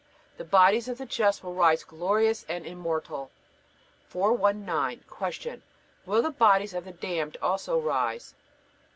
The bodies of the just will rise glorious and immortal. 419. Q. Will the bodies of the damned also rise?